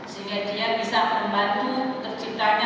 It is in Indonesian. sehingga dia bisa membantu terciptanya